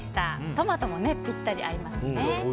トマトもぴったり合いますね。